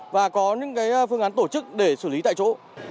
và có những phương án tổ chức để xử lý tại chỗ